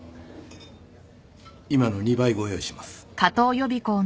・今の２倍ご用意します。